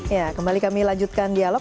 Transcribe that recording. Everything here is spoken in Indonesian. ya kembali kami lanjutkan dialog